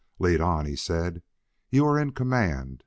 "Lead on!" he said. "You are in command.